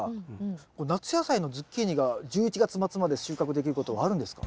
これ夏野菜のズッキーニが１１月末まで収穫できることあるんですか？